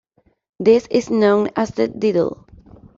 This is known as the "diddle".